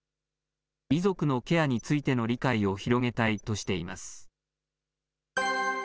遺族のケアについての理解を広げたいとしています。